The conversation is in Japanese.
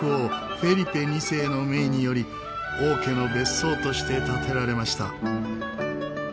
２世の命により王家の別荘として建てられました。